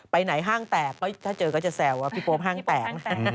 ไปไหนห้างแตกเพราะถ้าเจอก็จะแซวว่าพี่โป๊บห้างแตก